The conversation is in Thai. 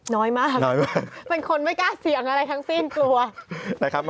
น้อยมากเป็นคนไม่กล้าเสี่ยงอะไรทั้งสิ้นกลัว